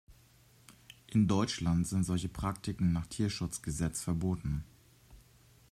In Deutschland sind solche Praktiken nach Tierschutzgesetz verboten.